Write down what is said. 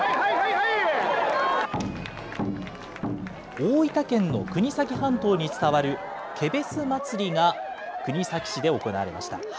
大分県の国東半島に伝わるケベス祭が、国東市で行われました。